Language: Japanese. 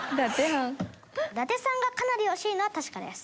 伊達さんがかなり惜しいのは確かです。